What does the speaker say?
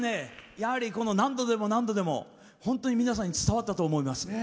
やはり、この何度でも何度でも本当に皆さんに伝わったと思います。